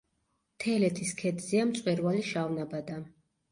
თელეთის ქედზეა მწვერვალი შავნაბადა.